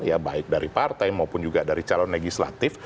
ya baik dari partai maupun juga dari calon legislatif